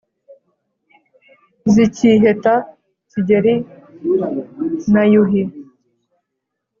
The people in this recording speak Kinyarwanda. zikiheta kigeli, n'yuhi